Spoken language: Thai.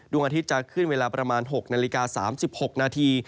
อาทิตย์จะขึ้นเวลาประมาณ๖นาฬิกา๓๖นาที